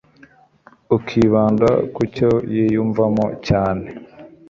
ukibanda ku cyo yiyumvamo cyane ,